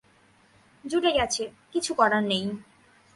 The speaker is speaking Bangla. জুটে গেছে, কিছু করার নেই।